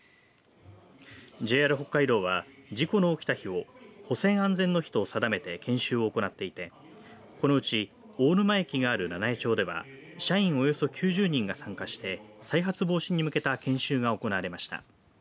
ＪＲ北海道は事故の起きた日を保線安全の日と定めて研修を行っていてこのうち大沼駅がある七飯町では社員およそ９０人が参加して再発防止に向けた研修が行われました。